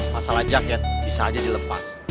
masalah jaket bisa aja dilepas